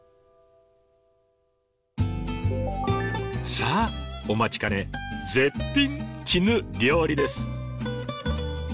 さあお待ちかね絶品チヌ料理です！